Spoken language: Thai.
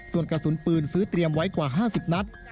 ส่วนกระสุนปืนซื้อเตรียมไว้กว่า๕๐นัด